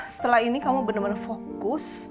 setelah ini kamu bener bener fokus